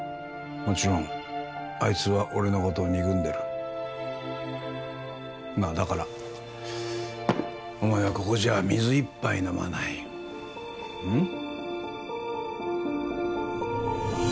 もちろんあいつは俺のことを憎んでるまあだからお前はここじゃ水一杯飲まないうん？